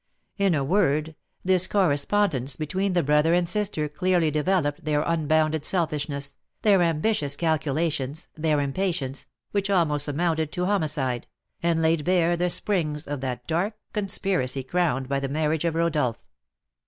In a word, this correspondence between the brother and sister clearly developed their unbounded selfishness, their ambitious calculations, their impatience, which almost amounted to homicide, and laid bare the springs of that dark conspiracy crowned by the marriage of Rodolph.